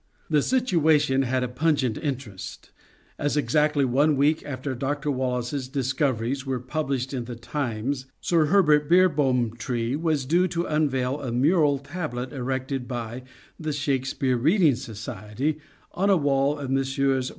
The situation had a pungent interest, as exactly one week after Dr. Wallace's discoveries were published in The Times Sir Herbert Beerbohm Tree was due to unveil & mural tablet erected by " The Shakespeare Reading Society " on a wall of Messrs.